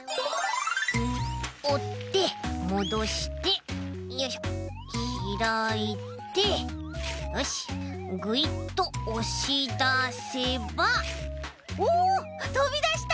おってもどしてよいしょひらいてよしぐいっとおしだせばおおとびだした！